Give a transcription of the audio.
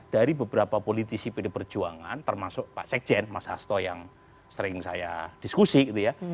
dari beberapa politisi pd perjuangan termasuk pak sekjen mas hasto yang sering saya diskusi gitu ya